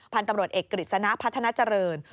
พันธุ์ตำรวจเอกกฤษณะพัฒนาเจริญ